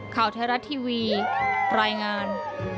ข่าวเทราะทีวีปรายงาน